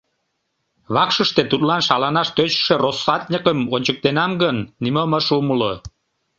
Вакшыште тудлан шаланаш тӧчышӧ россатньыкым ончыктенам гын, нимом ыш умыло.